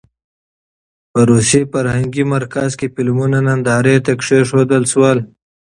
په روسي فرهنګي مرکز کې فلمونه نندارې ته کېښودل شول.